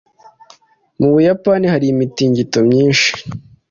Mu Buyapani hari imitingito myinshi.